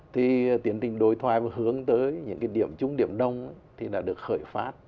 thì tiến trình đối thoại và hướng tới những cái điểm chung điểm đông thì đã được khởi phát